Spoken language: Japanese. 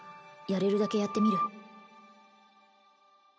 やれるだけやってみる